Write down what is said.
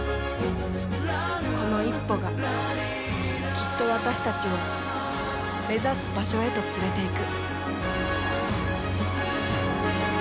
この一歩がきっと私たちを目指す場所へと連れていく。